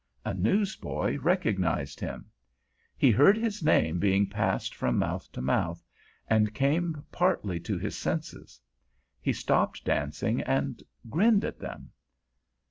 A newsboy recognized him. He heard his name being passed from mouth to mouth, and came partly to his senses. He stopped dancing, and grinned at them.